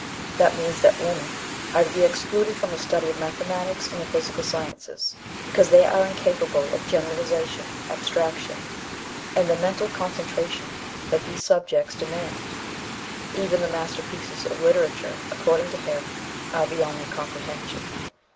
That means that women are to be excluded from the study of mathematics and the physical sciences, because they are incapable of generalization, abstraction, and the mental concentration that these subjects demand. Even the masterpieces of literature, according to him, are beyond their comprehension.